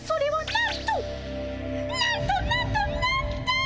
なんとなんとなんと！